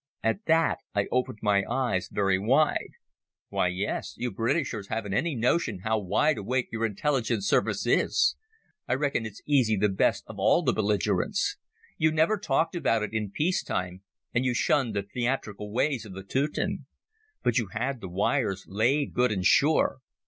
At that I opened my eyes very wide. "Why, yes. You Britishers haven't any notion how wide awake your Intelligence Service is. I reckon it's easy the best of all the belligerents. You never talked about it in peace time, and you shunned the theatrical ways of the Teuton. But you had the wires laid good and sure.